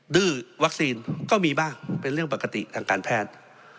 ดื้อวัคซีนก็มีบ้างเป็นเรื่องปกติทางการแพทย์